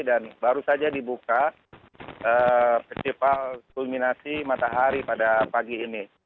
dan baru saja dibuka festival kulminasi matahari pada pagi ini